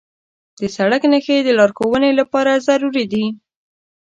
د سړک نښې د لارښوونې لپاره ضروري دي.